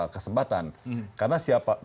kesempatan karena siapa